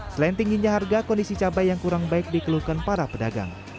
selain tingginya harga kondisi cabai yang kurang baik dikeluhkan para pedagang